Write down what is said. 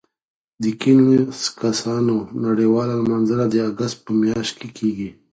د کیڼ لاسو کسانو نړیواله لمانځنه د اګست په میاشت کې کېږي.